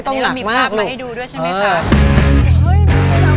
ต้องมีมินัยนิดหนึ่ง